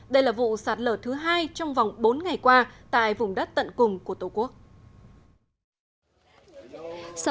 đây là vụ sạt lở thứ hai trong vòng bốn ngày qua tại vùng đất tận cùng của tổ quốc